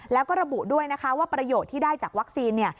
แล้วก็ระบุด้วยนะคะว่าประโยชน์ที่ได้จากวัคซีน